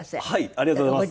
ありがとうございます。